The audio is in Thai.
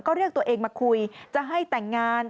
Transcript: ก็เรียกตัวเองมาคุยจะให้แต่งงาน